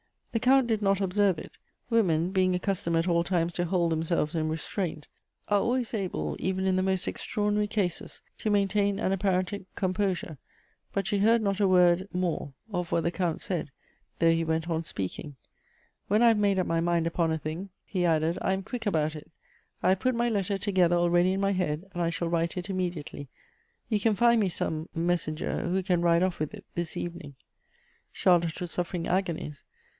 The Count did not observe it : women, being accustomed at all times to hold themselves in restraint, are always able, even in the most extraordinary cases, to maintain an apparent composure ; but she heard not a word more of what the Count said, though he went on speaking. " When I have made up my mind upon a thing," he Electivk Affinities. 93 added, "I am quick about it. I have put my letter together ah eady in my head, and I shall write it immedi ately. You can find me some messenger, who can ride off with it this evening." Charlotte was suffering agonies.